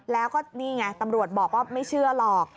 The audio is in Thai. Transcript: แล้วก็นี่ไงตำรวจบอกว่าไม่เชื่อหรอก